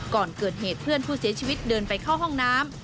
ก่อนเกิดเหตุเพื่อนผู้เสียชีวิตเดินไปเข้าห้องน้ำ